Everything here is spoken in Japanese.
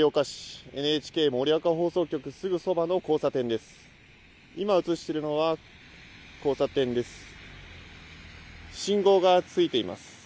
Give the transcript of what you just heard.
すぐそばの交差点です。